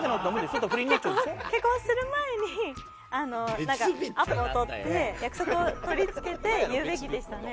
結婚する前にアポを取って約束を取り付けて言うべきでしたね。